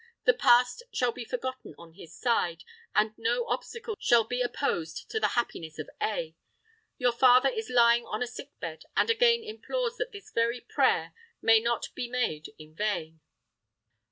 The past shall be forgotten on his side; and no obstacle shall be opposed to the happiness of A. Your father is lying on a sick bed, and again implores that this prayer may not be made in vain."